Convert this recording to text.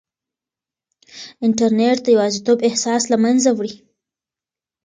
انټرنیټ د یوازیتوب احساس له منځه وړي.